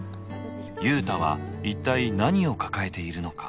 雄太は一体何を抱えているのか。